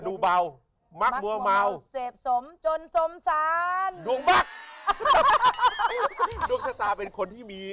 ดูกชะตาเป็นคนที่มี